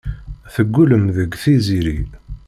Teggullem deg Tiziri.